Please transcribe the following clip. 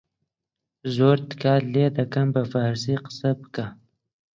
«زۆر تکات لێ دەکەن بە فارسی قسە بکە